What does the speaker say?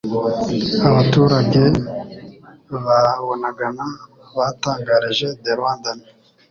Abaturage ba Bunagana batangarije The Rwandan